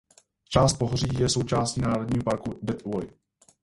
Část pohoří je součástí Národního parku Death Valley.